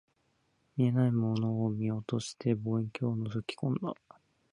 見えないものを見ようとして、望遠鏡を覗き込んだ